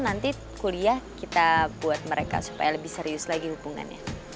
nanti kuliah kita buat mereka supaya lebih serius lagi hubungannya